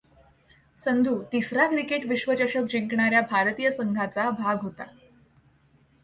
संधू तिसरा क्रिकेट विश्वचषक जिंकणार् या भारतीय संघाचा भाग होता.